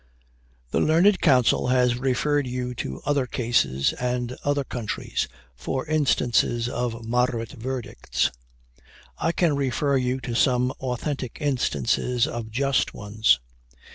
"The learned counsel has referred you to other cases and other countries, for instances of moderate verdicts. I can refer you to some authentic instances of just ones.